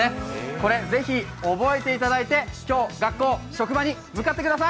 これ、是非覚えていただいて今日学校、職場に向かってください！